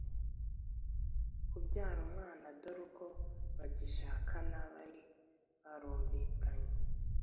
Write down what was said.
kubyara umwana dore ko bagishakana bari barumvikanye